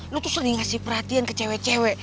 lo tuh sering ngasih perhatian ke cewek cewek